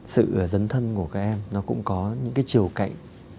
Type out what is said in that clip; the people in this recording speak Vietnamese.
sự dấn thân của các em nó cũng có những cái chiều cạnh